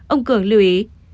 ông cường lưu ý